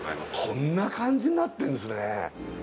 こんな感じになってんですね